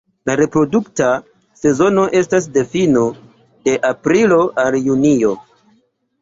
La reprodukta sezono estas de fino de aprilo al junio.